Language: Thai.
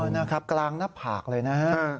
นะครับกลางหน้าผากเลยนะฮะ